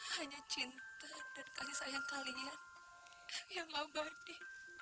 hanya cinta dan kasih sayang kalian yang abadi